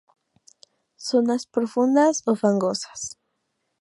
Zonas profundas o fangosas.